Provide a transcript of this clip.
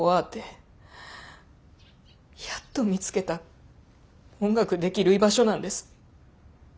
やっと見つけた音楽できる居場所なんです。